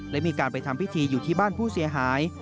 และมีการไปทำพิธีอยู่ที่บ้านผู้เสียหาย